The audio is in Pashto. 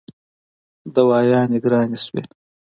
دوايانې ګرانې شوې